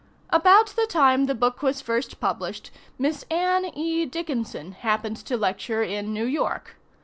About the time the book was first published, Miss Anne E. Dickinson happened to lecture in New York.